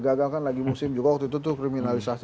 gagal kan lagi musim juga waktu itu tuh kriminalisasi